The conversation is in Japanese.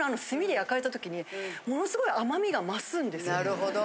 なるほど。